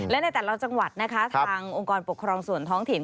และในแต่ละจังหวัดนะคะทางองค์กรปกครองส่วนท้องถิ่น